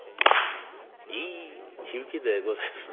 いい響きでございますね。